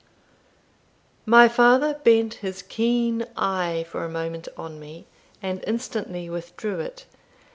My father bent his keen eye for a moment on me, and instantly withdrew it.